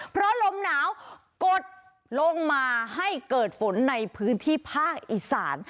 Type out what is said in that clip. เพราะลมหนาวกดลงมาให้เกิดฝนในพื้นที่ภาคอีสาน